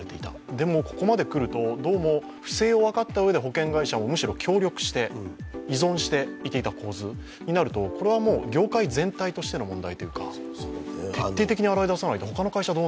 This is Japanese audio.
でもここまで来ると、どうも不正を分かったうえで保険会社もむしろ協力して依存して見ていた構図を見ると業界全体としての問題というか徹底的に洗い直さないと。